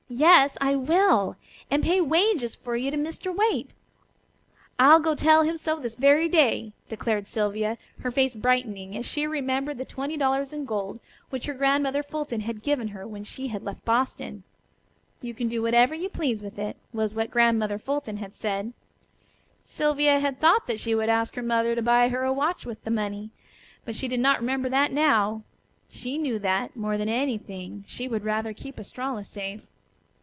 Yes, I will; and pay wages for you to Mr. Waite. I'll go tell him so this very day," declared Sylvia, her face brightening, as she remembered the twenty dollars in gold which her Grandmother Fulton had given her when she had left Boston. "You can do whatever you please with it," was what Grandmother Fulton had said. Sylvia had thought that she would ask her mother to buy her a watch with the money, but she did not remember that now. She knew that, more than anything, she would rather keep Estralla safe.